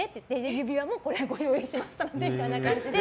指輪もご用意しますのでみたいな感じで。